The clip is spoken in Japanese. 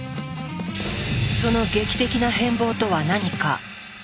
その劇的な変貌とは何か。